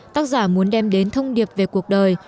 tác giả muốn đem đến thông điệp về cuộc đời